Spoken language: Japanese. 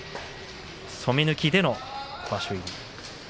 染め抜きでの場所入り。